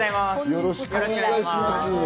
よろしくお願いします。